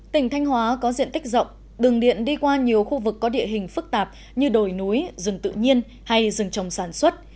tỉnh thanh hóa có diện tích rộng đường điện đi qua nhiều khu vực có địa hình phức tạp như đồi núi rừng tự nhiên hay rừng trồng sản xuất